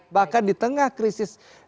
bahkan di tengah krisis